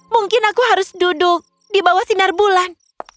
mungkin aku harus duduk di bawah sinar bulan